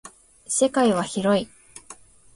世界は広い。